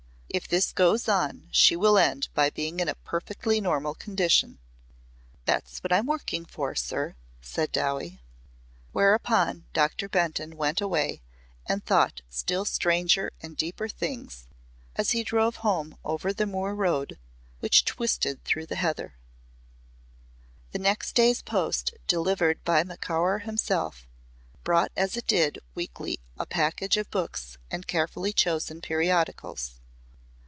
If this goes on she will end by being in a perfectly normal condition." "That's what I'm working for, sir," said Dowie. Whereupon Dr. Benton went away and thought still stranger and deeper things as he drove home over the moor road which twisted through the heather. The next day's post delivered by Macaur himself brought as it did weekly a package of books and carefully chosen periodicals.